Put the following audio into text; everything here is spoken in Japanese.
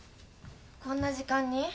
こんな時間に？